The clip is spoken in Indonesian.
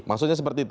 maksudnya seperti itu